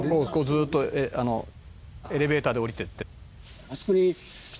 「ずーっとエレベーターで降りてって」